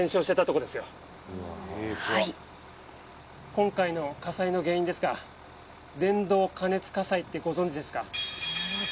今回の火災の原因ですが伝導過熱火災ってご存じですか？